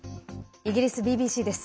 イギリスＢＢＣです。